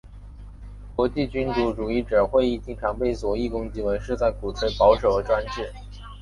国际君主主义者会议经常被左翼攻击为是在鼓吹保守和专制。